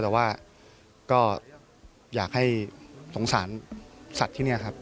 แต่ว่าก็อยากให้สงสารสัตว์ที่นี่ครับ